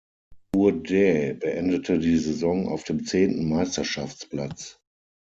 Bourdais beendete die Saison auf dem zehnten Meisterschaftsplatz.